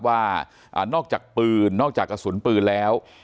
ว่านอกจากปืนนอกจากกระสุนปืนแล้ว